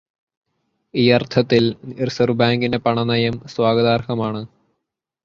ഈ അർത്ഥത്തിൽ റിസർവ്വ് ബാങ്കിന്റെ പണനയം സ്വാഗതാർഹമാണ്.